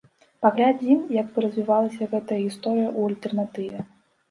Паглядзім, як бы развівалася гэтая гісторыя ў альтэрнатыве.